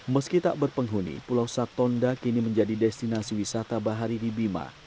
meski tak berpenghuni pulau satonda kini menjadi destinasi wisata bahari di bima